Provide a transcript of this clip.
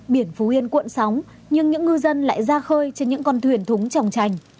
biển phú yên cuộn sóng nhưng những ngư dân lại ra khơi trên những con thuyền thúng trồng trành